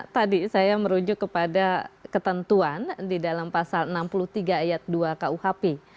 tadi saya merujuk kepada ketentuan di dalam pasal enam puluh tiga ayat dua kuhp